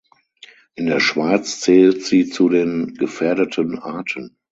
In der Schweiz zählt sie zu den gefährdeten Arten.